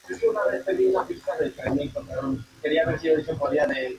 Antes de convertirse en actor Stefan fue chef.